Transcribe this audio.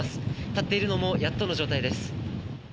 立っているのもやっとの状態です。